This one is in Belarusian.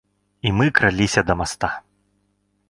І мы краліся да моста.